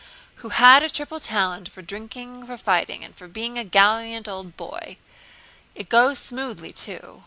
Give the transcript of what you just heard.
Who had a triple talent For drinking, for fighting, And for being a gallant old boy... "It goes smoothly, too.